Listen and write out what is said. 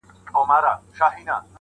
ځوانه د لولیو په بازار اعتبار مه کوه،